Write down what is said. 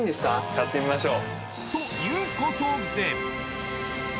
やってみましょう。ということで。